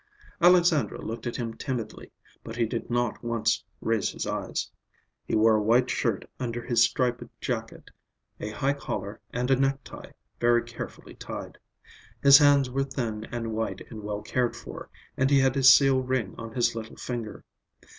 Alexandra looked at him timidly, but he did not once raise his eyes. He wore a white shirt under his striped jacket, a high collar, and a necktie, very carefully tied. His hands were thin and white and well cared for, and he had a seal ring on his little finger.